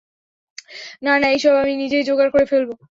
না, না এইসব আমি নিজেই যোগাড় করে ফেলবো।